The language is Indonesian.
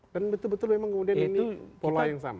dan betul betul memang kemudian ini pola yang sama